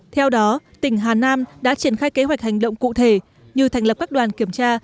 theo đó tỉnh hà nam đã triển khai kế hoạch hành động cụ thể như thành lập các đoàn kiểm tra